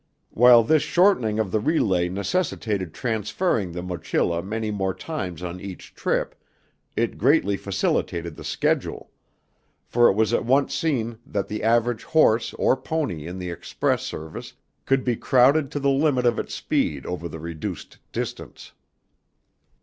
While this shortening of the relay necessitated transferring the mochila many more times on each trip, it greatly facilitated the schedule; for it was at once seen that the average horse or pony in the Express service could be crowded to the limit of its speed over the reduced distance.